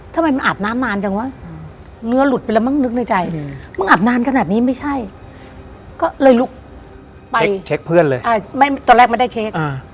ตอนเรียก